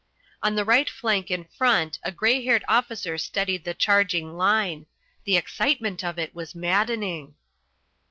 On the right flank in front a grey haired officer steadied the charging line. The excitement of it was maddening.